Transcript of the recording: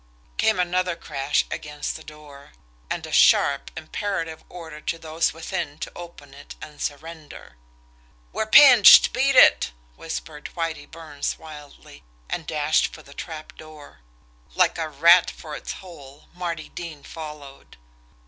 Came another crash against the door and a sharp, imperative order to those within to open it and surrender. "We're pinched! Beat it!" whispered Whitie Burns wildly and dashed for the trapdoor. Like a rat for its hole, Marty Dean followed.